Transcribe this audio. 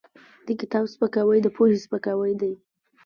د کتاب سپکاوی د پوهې سپکاوی دی.